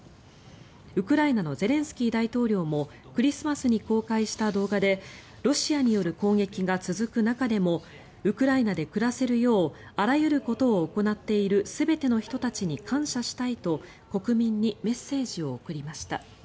ウクライナのゼレンスキー大統領もクリスマスに公開した動画でロシアによる攻撃が続く中でもウクライナで暮らせるようあらゆることを行っている全ての人たちに感謝したいと国民にメッセージを送りました。